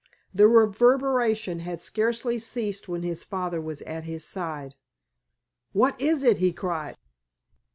The reverberation had scarcely ceased when his father was at his side. "What is it?" he cried.